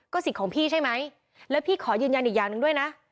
สิทธิ์ของพี่ใช่ไหมแล้วพี่ขอยืนยันอีกอย่างหนึ่งด้วยนะ